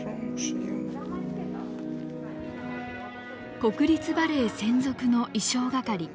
国立バレエ専属の衣装係。